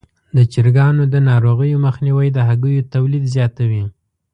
د چرګانو د ناروغیو مخنیوی د هګیو تولید زیاتوي.